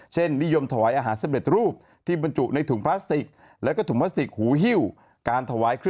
เช่นนิยมหวายอาหารสำเร็จรูปที่แล้วก็ถุงพลาสติกหูหิ้ว